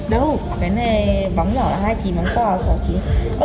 đâu cái này bóng nhỏ là hai mươi chín bóng to là sáu mươi chín